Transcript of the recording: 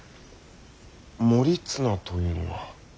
盛綱というのは。